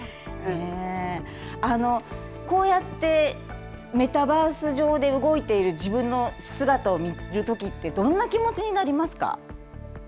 こうやってメタバース上で動いている自分の姿を見るときってどんな気持ちになりますか。